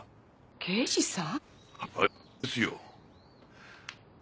刑事さん？